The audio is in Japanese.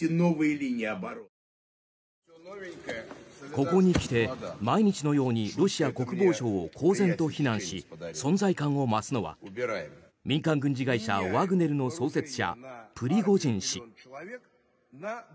ここに来て、毎日のようにロシア国防省を公然と非難し存在感を増すのは民間軍事会社ワグネルの創設者プリゴジン氏。